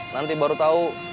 nanti baru tau